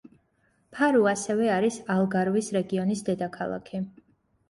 ფარუ ასევე არის ალგარვის რეგიონის დედაქალაქი.